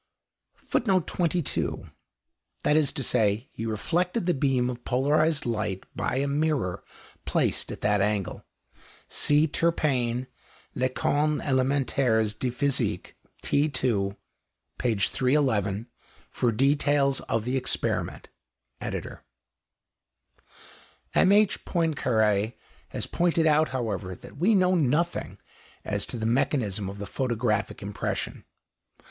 [Footnote 22: That is to say, he reflected the beam of polarized light by a mirror placed at that angle. See Turpain, Leçons élementaires de Physique, t. ii. p. 311, for details of the experiment. ED.] M.H. Poincaré has pointed out, however, that we know nothing as to the mechanism of the photographic impression.